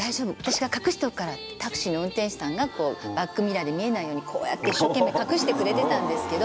タクシーの運転手さんがバックミラーで見えないように一生懸命隠してくれてたんですけど。